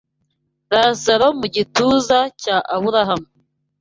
Lazaro mu gituza cya Aburahamu